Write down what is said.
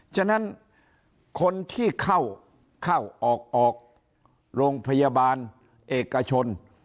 ฉะนั้นคนที่เข้าออกโรงพยาบาลเอกชน